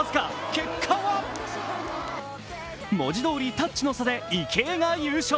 結果は文字どおりタッチの差で池江が優勝。